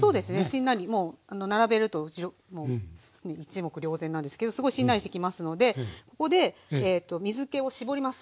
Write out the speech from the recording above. しんなりもう並べると一目瞭然なんですけどすごいしんなりしてきますのでここで水けを絞ります。